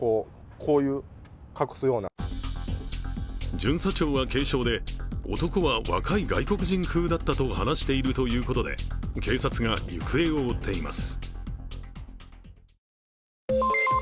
巡査長は軽傷で男は若い外国人風だったと話しているということで警察が行方を追っています。